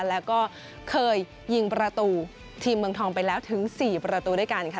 แล้วก็เคยยิงประตูทีมเมืองทองไปแล้วถึง๔ประตูด้วยกันค่ะ